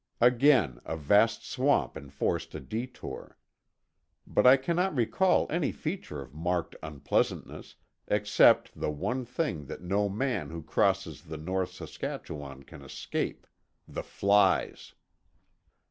Again, a vast swamp enforced a detour. But I cannot recall any feature of marked unpleasantness—except the one thing that no man who crosses the North Saskatchewan can escape—the flies.